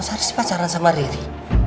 masa haris pacaran sama riri